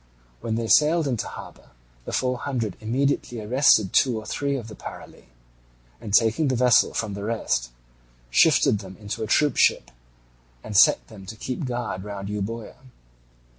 When they sailed into harbour the Four Hundred immediately arrested two or three of the Parali and, taking the vessel from the rest, shifted them into a troopship and set them to keep guard round Euboea.